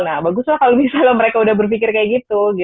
nah bagus lah kalau misalnya mereka udah berpikir kayak gitu